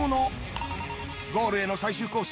ゴールへの最終コース